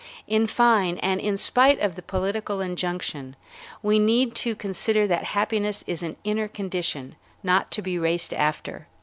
In fine, and in spite of the political injunction, we need to consider that happiness is an inner condition, not to be raced after.